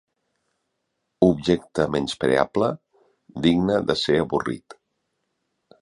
Objecte menyspreable, digne de ser avorrit.